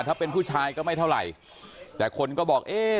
ถ้าเป็นผู้ชายก็ไม่เท่าไหร่แต่คนก็บอกเอ๊ะ